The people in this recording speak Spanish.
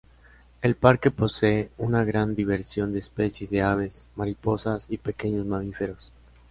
El parque posee una gran diversidad de especies de aves, mariposas y pequeños mamíferos.